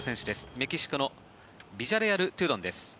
メキシコのビジャレアル・トゥドンです。